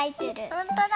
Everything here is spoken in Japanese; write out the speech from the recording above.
ほんとだ。